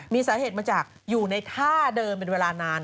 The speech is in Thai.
มีสาเหตุมาจากอยู่ในท่าเดิมเป็นเวลานาน